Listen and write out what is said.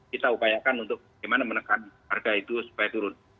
kita upayakan untuk bagaimana menekan harga itu supaya turun